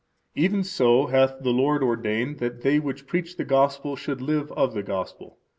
Even so hath the Lord ordained that they which preach the Gospel should live of the Gospel.